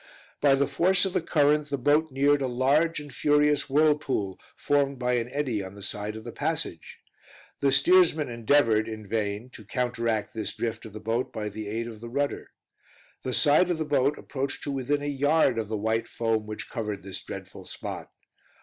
By the force of the current, the boat neared a large and furious whirlpool, formed by an eddy on the side of the passage. The steersman endeavored, in vain, to counteract this drift of the boat by the aid of the rudder. The side of the boat approached to within a yard of the white foam which covered this dreadful spot.